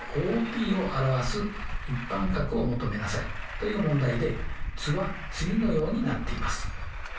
という問題で図は次のようになっています。